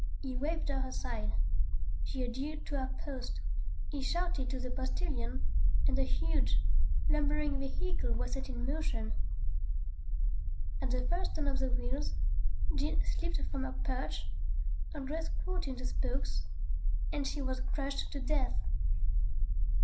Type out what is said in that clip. He waved her aside. She adhered to her post. He shouted to the postilion, and the huge, lumbering vehicle was set in motion. At the first turn of the wheels, Jean slipped from her perch, her dress caught in the spokes, and she was crushed to death.